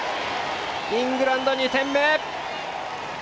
イングランド２点目！